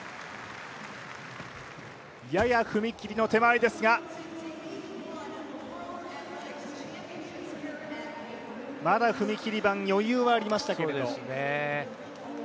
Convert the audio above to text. やや踏み切りの手前ですがまだ踏切板余裕はありましたけど。